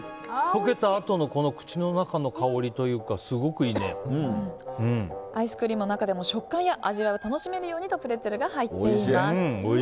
溶けたあとの口の中の香りがアイスクリームの中でも食感や味わいを楽しめるようにとプレッツェルが入っています。